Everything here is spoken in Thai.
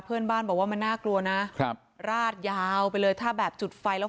เพื่อนบ้านบอกว่ามันน่ากลัวนะครับราดยาวไปเลยถ้าแบบจุดไฟแล้ว